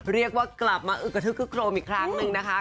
เรียกว่ากลับมาอึกกระทึกคึกโครมอีกครั้งหนึ่งนะคะ